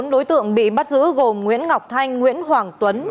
bốn đối tượng bị bắt giữ gồm nguyễn ngọc thanh nguyễn hoàng tuấn